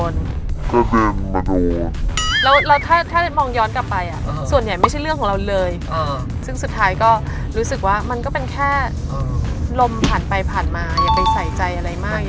อย่าไปใส่ใจอะไรมากอย่าไปคิดอะไรมาก